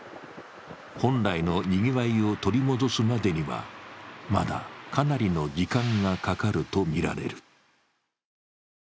本来のにぎわいを取り戻すまでには、まだかなりの時間がかかるとみられる。